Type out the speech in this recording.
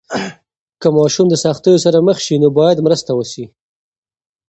که ماشوم د سختیو سره مخ سي، نو باید مرسته وسي.